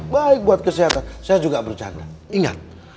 baik buat kesehatan saya juga bercanda ingat